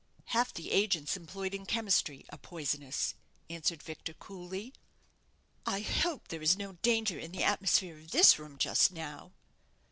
"Half the agents employed in chemistry are poisonous," answered Victor, coolly. "I hope there is no danger in the atmosphere of this room just now?"